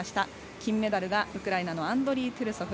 金メダルがウクライナのアンドリー・トゥルソフ。